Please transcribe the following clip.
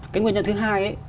cái nguyên nhân thứ hai